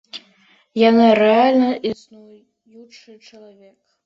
Яна рэальна існуючы чалавек.